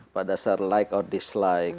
pada dasar like or dislike